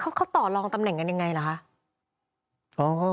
เขาต่อลองตำแหน่งกันยังไงเหรอคะ